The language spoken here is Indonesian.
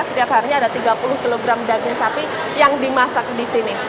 setiap harinya ada tiga puluh kg daging sapi yang dimasak di sini